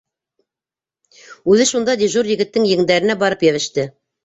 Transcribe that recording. Үҙе шунда дежур егеттең еңдәренә барып йәбеште.